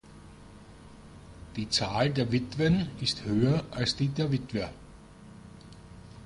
Die Zahl der Witwen ist höher als die der Witwer.